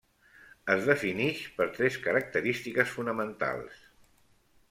Es definix per tres característiques fonamentals.